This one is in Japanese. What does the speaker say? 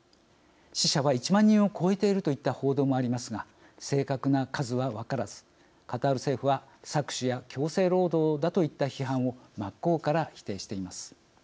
死者は１万人を超えているといった報道もありますが正確な数は分からずカタール政府は搾取や強制労働だといった批判を真っ向から否定しています。